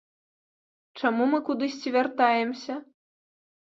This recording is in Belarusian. Чаму мы кудысьці вяртаемся?